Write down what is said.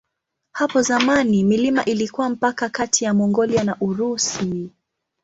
Hapo zamani milima ilikuwa mpaka kati ya Mongolia na Urusi.